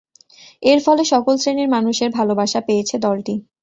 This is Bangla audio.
এর ফলে সকল শ্রেণীর মানুষের ভালোবাসা পেয়েছে দলটি।